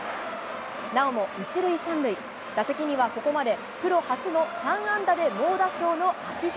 なおも１塁３塁、打席にはここまでプロ初の３安打で猛打賞の秋広。